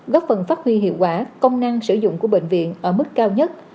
góp phần phát huy hiệu quả công năng sử dụng của bệnh viện ở mức cao nhất